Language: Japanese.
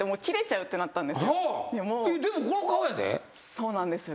そうなんですよ。